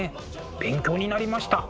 勉強になりました。